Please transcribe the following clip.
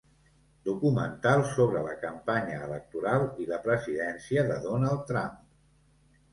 Documental sobre la campanya electoral i la presidència de Donald Trump.